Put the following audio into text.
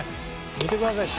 見てください